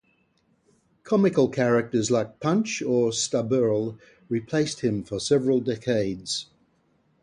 Comical characters like Punch or Staberl replaced him for several decades.